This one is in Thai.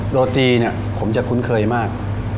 โรตีเนี่ยผมจะคุ้นเคยมาก